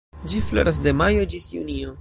Ĝi floras de majo ĝis junio.